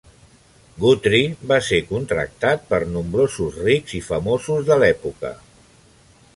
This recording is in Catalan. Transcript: Guthrie va ser contractat per nombrosos rics i famosos de l'època.